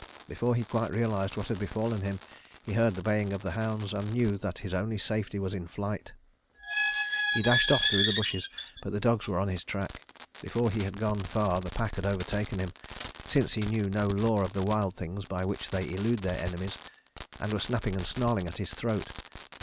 Before he quite realized what had befallen him he heard the baying of hounds, and knew that his only safety was in flight. He dashed off through the bushes, but the dogs were on his track. Before he had gone far the pack had overtaken him, since he knew no lore of the wild things by which they elude their enemies, and were snapping and snarling at his throat.